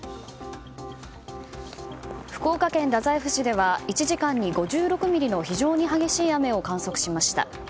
福岡県太宰府市では１時間に５６ミリの非常に激しい雨を観測しました。